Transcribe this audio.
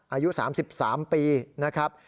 อายุ๓๓ปีนะครับ